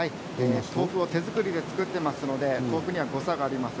手作りで作っていますので豆腐には差があります。